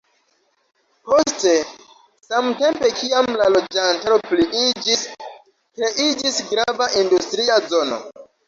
Poste, samtempe kiam la loĝantaro pliiĝis, kreiĝis grava industria zono.